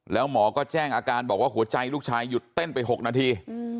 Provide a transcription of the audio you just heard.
แล้วหมอก็แจ้งอาการบอกว่าหัวใจลูกชายหยุดเต้นไป๖นาที